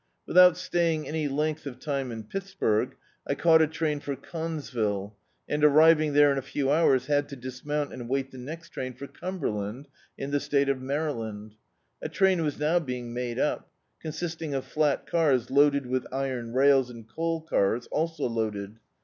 Without staying any length of time in Pittsburg, I caught a train for Connesville, and, arriving there in a few hours, had to dismount and wait the next train for Cumberland, in the State of Maryland. A train was now being made up, consisting of flat cars loaded with iron rails, and coal cars, also loaded.